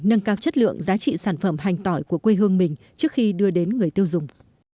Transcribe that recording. nâng cao chất lượng giá trị sản phẩm hành tỏi của quê hương mình trước khi đưa đến người tiêu dùng